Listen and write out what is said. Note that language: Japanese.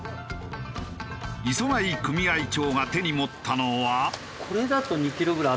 礒貝組合長が手に持ったのは。